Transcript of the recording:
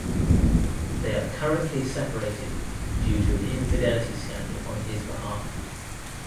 They are currently separated due to an infidelity scandal on his behalf.